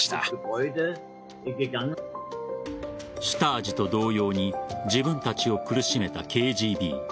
シュタージと同様に自分たちを苦しめたＫＧＢ。